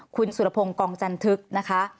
คุณสุรพงศ์กองจันทึกนะคะ